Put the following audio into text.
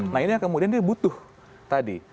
nah ini yang kemudian dia butuh tadi